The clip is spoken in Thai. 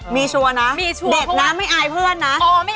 มีชัวร์นะเด็กนะไม่อายเพื่อนนะ